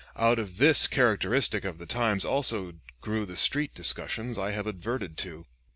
Out of this characteristic of the times also grew the street discussions I have adverted to.